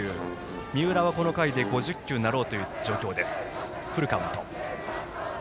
三浦はこの回で５０球になろうという状況。